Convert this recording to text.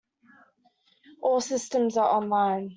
All systems are online.